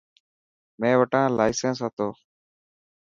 مين وٽا لائيسن هتو.